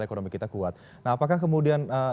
ekonomi kita kuat nah apakah kemudian